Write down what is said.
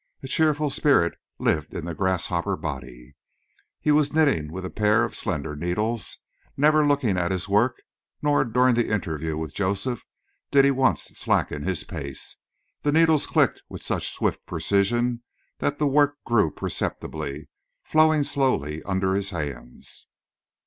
A cheerful spirit lived in the grasshopper body. He was knitting with a pair of slender needles, never looking at his work, nor during the interview with Joseph did he once slacken his pace. The needles clicked with such swift precision that the work grew perceptibly, flowing slowly under his hands.